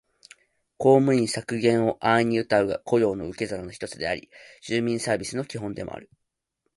公務員削減を安易にうたうが、雇用の受け皿の一つであり、住民サービスの基本でもある